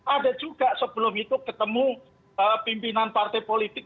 ada juga sebelum itu ketemu pimpinan partai politik